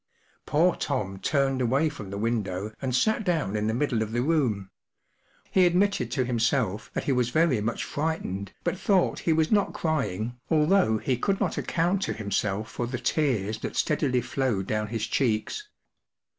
Poor Tom turned away from the window and sat down in the middle of the room. He admitted to himself that he was very much frightened, but thought he was not crying, although he could not account to himself for the tears that steadily flowed down his cheeks.